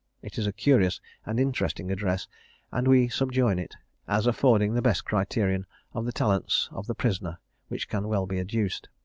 It is a curious and interesting address, and we subjoin it as affording the best criterion of the talents of the prisoner which can well be adduced.